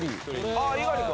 ああ猪狩君！